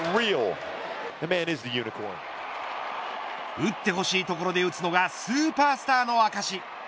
打ってほしいところで打つのがスーパースターの証。